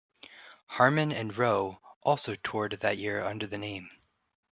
Harmon and Roe also toured that year under the name.